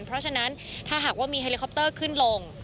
เพราะฉะนั้นถ้าหากว่ามีเฮลิคอปเตอร์ขึ้นลง